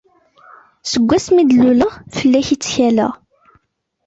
Seg wsmi i d-luleɣ, fell-ak i ttkaleɣ.